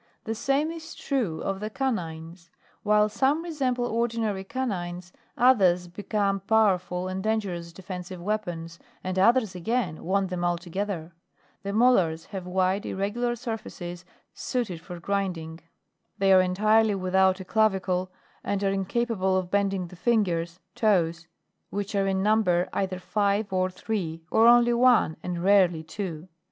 The same is true of the canines ; while some resemble ordinary canines, others be come powerful and dangerous defensive weapons, and others again want them altogether. The molars have wide irregular surfaces suited for grinding. 15. They are entirely without a clavicle and are incapable of bending the fingers (toes) which are in number either five, or three, or only one, and rarely two.